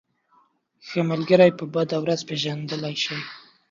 ښه ملگری په بده ورځ پېژندلی شې.